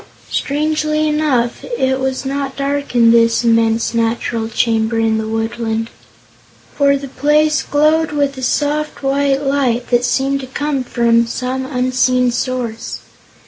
Strangely enough, it was not dark in this immense natural chamber in the woodland, for the place glowed with a soft, white light that seemed to come from some unseen source.